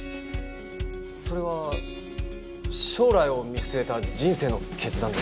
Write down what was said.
それは将来を見据えた人生の決断で。